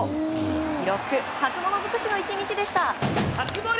記録初物尽くしの１日でした。